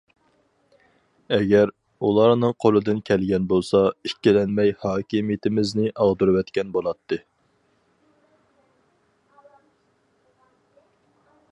ئەگەر، ئۇلارنىڭ قولىدىن كەلگەن بولسا، ئىككىلەنمەي ھاكىمىيىتىمىزنى ئاغدۇرۇۋەتكەن بولاتتى.